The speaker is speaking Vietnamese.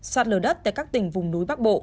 sát lờ đất tại các tỉnh vùng núi bắc bộ